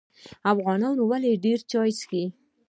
افغانان ولې ډیر چای څښي؟